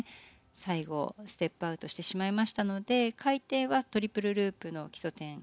最後ステップアウトしてしまいましたので回転はトリプルループの基礎点